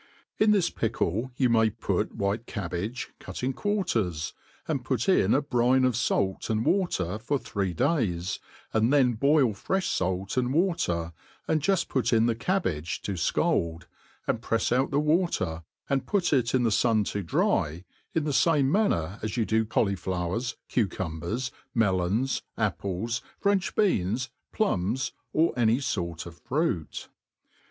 In this pickle you may put white cabbage, ^ut ip quarters^ and put in a brine of fait and water for three days, and then boil frefli (alt and water, and juft put in the cabbage to (bald, and prefs out the water, and put it in the fun to dry, in the lame manner as yoti do cauliflowers, cucumbers, melons, apples, French beans, plums, or any fort of fruit.